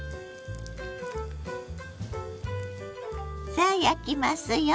さあ焼きますよ。